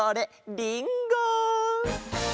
りんご！